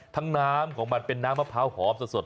น้ำของมันเป็นน้ำมะพร้าวหอมสด